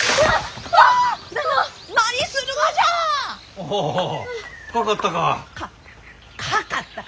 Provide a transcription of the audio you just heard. おおかかったか？